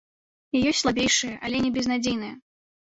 І ёсць слабейшыя, але не безнадзейныя.